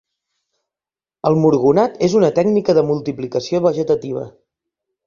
El murgonat és una tècnica de multiplicació vegetativa.